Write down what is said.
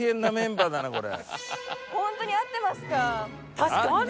確かにね。